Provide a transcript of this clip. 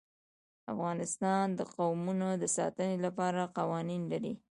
افغانستان د قومونه د ساتنې لپاره قوانین لري.